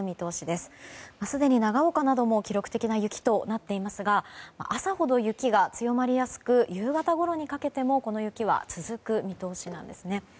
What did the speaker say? すでに長岡なども記録的な雪となっていますが朝ほど雪が強まりやすく夕方ごろにかけても雪が続く見通しなんですね。